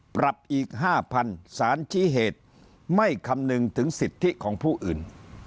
ปรับอีก๕๐๐๐สารชี้เหตุไม่คำนึงถึงสิทธิของผู้อื่น